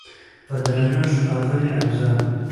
په درنښت اغلې افضل